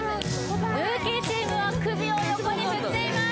ルーキーチームは首を横に振っています